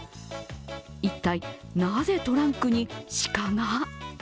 一体なぜトランクに鹿が？